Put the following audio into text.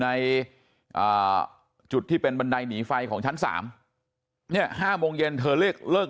ในจุดที่เป็นบันไดหนีไฟของชั้น๓เนี่ย๕โมงเย็นเธอเลิก